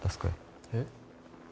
えっ？